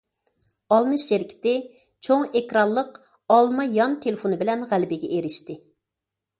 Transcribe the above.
ئالما شىركىتى چوڭ ئېكرانلىق ئالما يان تېلېفونى بىلەن غەلىبىگە ئېرىشتى.